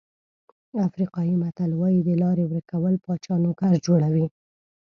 افریقایي متل وایي د لارې ورکول پاچا نوکر جوړوي.